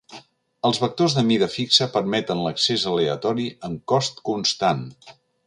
Els vectors de mida fixa permeten l'accés aleatori amb cost constant.